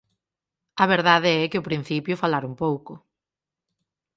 A verdade é que ó principio falaron pouco.